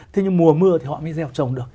thế nhưng mùa mưa thì họ mới gieo trồng được